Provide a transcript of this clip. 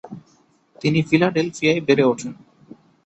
তিনি ফিলাডেলফিয়ায় বেড়ে ওঠেন।